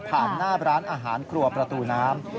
หน้าร้านอาหารครัวประตูน้ำ